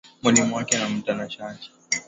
Mwalimu wake ni mtanashati